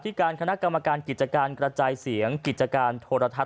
การคณะกรรมการกิจการกระจายเสียงกิจการโทรทัศ